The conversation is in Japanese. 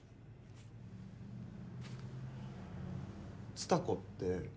「つたこ」って。